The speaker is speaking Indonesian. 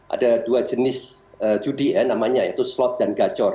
ada dua jenis judi ya namanya yaitu slot dan gacor